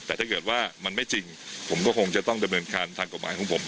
แต่ถ้าเกิดว่ามันไม่จริงผมก็คงจะต้องดำเนินการทางกฎหมายของผม